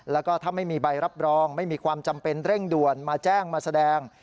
แล้วก็ถ้าไม่มีใบรับรองไม่มีความจำเป็นเร่งด่วนมาแจ้งมาแสดง